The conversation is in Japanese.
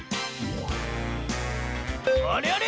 あれあれ？